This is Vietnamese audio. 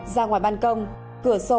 ra ngoài bàn công cửa sổ